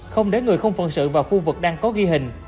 không để người không phân sự vào khu vực đang có ghi hình